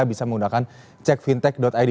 bisa menggunakan cekfintech id